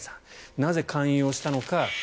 なぜ、勧誘したのか。